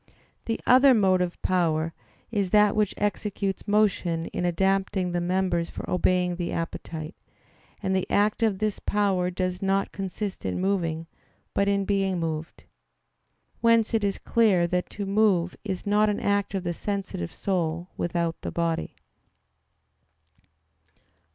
The other motive power is that which executes motion in adapting the members for obeying the appetite; and the act of this power does not consist in moving, but in being moved. Whence it is clear that to move is not an act of the sensitive soul without the body.